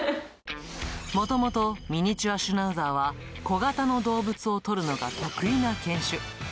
もともとミニチュアシュナウザーは小型の動物を捕るのが得意な犬種。